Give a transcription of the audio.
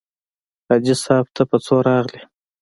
حاجي صاحب ته په څو راغلې.